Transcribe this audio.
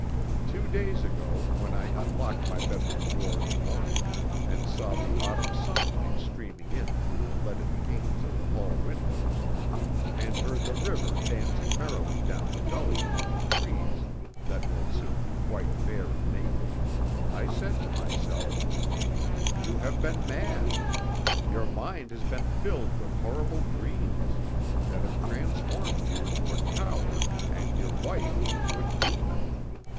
Two days ago, when I unlocked my bedroom door in the morning, and saw the autumn sunlight streaming in through the leaded panes of the hall windows, and heard the river dancing merrily down the gully among the trees that will soon be quite bare and naked, I said to myself: "You have been mad. Your mind has been filled with horrible dreams, that have transformed you into a coward and your wife into a demon.